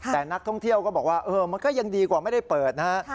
แต่นักท่องเที่ยวก็บอกว่ามันก็ยังดีกว่าไม่ได้เปิดนะฮะ